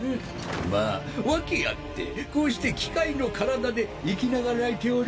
まぁ訳あってこうして機械の体で生き永らえておる！